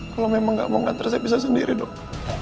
kalau memang gak mau ngantre saya bisa sendiri dong